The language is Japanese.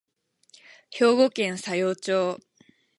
兵庫県佐用町